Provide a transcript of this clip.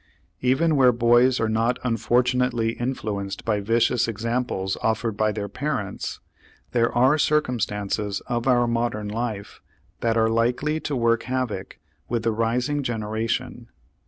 Even where boys are not unfortunately influenced by vicious examples offered by their parents, there are circumstances of our modern life that are likely to work havoc with the rising generation.